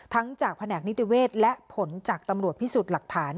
จากแผนกนิติเวศและผลจากตำรวจพิสูจน์หลักฐาน